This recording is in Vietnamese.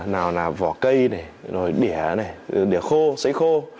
nào là vỏ cây này đĩa này đĩa khô sấy khô